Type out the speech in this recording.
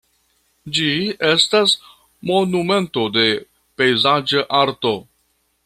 Ĝi estas monumento de pejzaĝa arto.